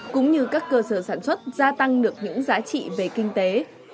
cũng như các cơ sở sản xuất gia tăng được những giá trị về kinh tế